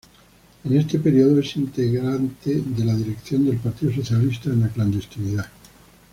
En ese período es integrante de la dirección del Partido Socialista en la clandestinidad.